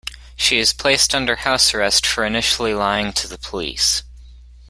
She is placed under house arrest for initially lying to the police.